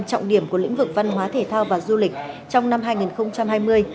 trọng điểm của lĩnh vực văn hóa thể thao và du lịch trong năm hai nghìn hai mươi